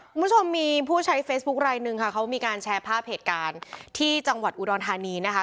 คุณผู้ชมมีผู้ใช้เฟซบุ๊คไลนึงค่ะเขามีการแชร์ภาพเหตุการณ์ที่จังหวัดอุดรธานีนะคะ